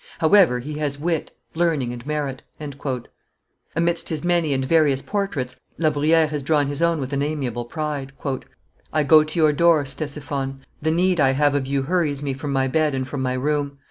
However, he has wit, learning, and merit." Amidst his many and various portraits, La Bruyere has drawn his own with an amiable pride. "I go to your door, Ctesiphon; the need I have of you hurries me from my bed and from my room.